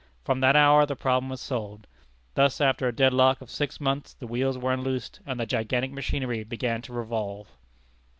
From that hour the problem was solved. Thus after a dead lock of six months the wheels were unloosed, and the gigantic machinery began to revolve.